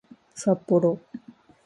さっぽろ